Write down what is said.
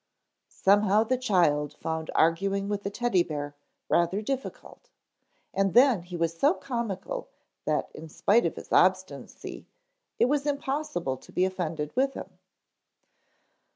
Somehow the child found arguing with the Teddy bear rather difficult. And then he was so comical that in spite of his obstinacy it was impossible to be offended with him.